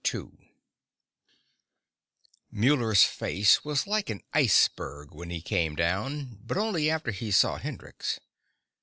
II Muller's face was like an iceberg when he came down but only after he saw Hendrix.